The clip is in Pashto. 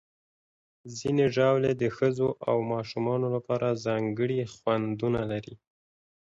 ځینې ژاولې د ښځو او ماشومانو لپاره ځانګړي خوندونه لري.